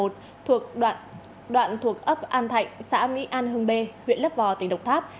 thuộc đoạn thuộc ấp an thạnh xã mỹ an hưng bê huyện lấp vò tỉnh độc tháp